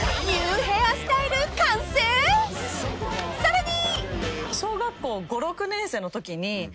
［さらに］